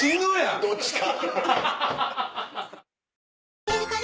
どっちか。